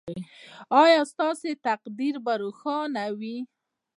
ایا ستاسو تقدیر به روښانه وي؟